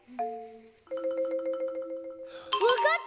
わかった！